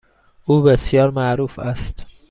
او بسیار معروف است.